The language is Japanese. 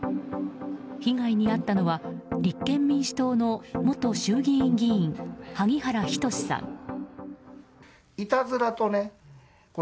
被害に遭ったのは、立憲民主党の元衆議院議員、萩原仁さん。